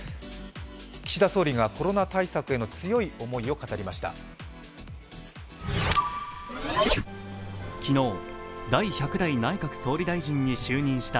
岸田総理がコロナ対策での強い思いを語りました。